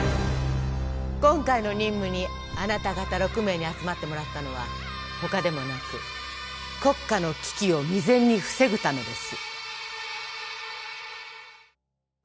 今回の任務にあなた方６名に集まってもらったのはほかでもなく国家の危機を未然に防ぐためです